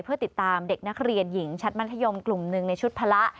เพื่อติดตามเด็กนักเรียนหญิงชั้นมัธยมกลุ่มหนึ่งในชุดพละ